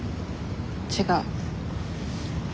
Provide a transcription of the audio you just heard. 違う。